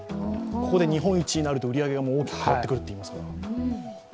ここで日本一になると売り上げが大きく変わってくるっていいますから。